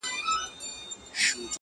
له بري څخه بري ته پاڅېدلی-